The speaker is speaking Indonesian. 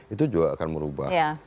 itu juga akan merubah